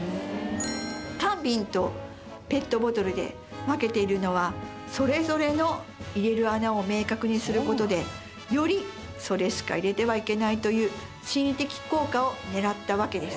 カンビンとペットボトルで分けているのはそれぞれの入れる穴を明確にすることでよりそれしか入れてはいけないという心理的効果を狙ったわけです